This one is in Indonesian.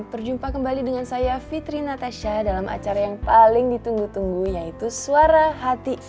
berjumpa kembali dengan saya fitri natasha dalam acara yang paling ditunggu tunggu yaitu suara hati